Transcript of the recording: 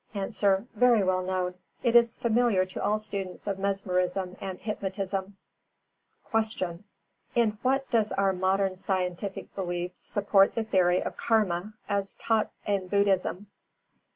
_ A. Very well known; it is familiar to all students of mesmerism and hypnotism. 361. Q. _In what does our modern scientific belief support the theory of Karma, as taught in Buddhism?